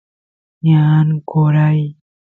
ñan qoray